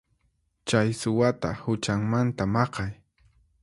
Chay suwata huchanmanta maqay.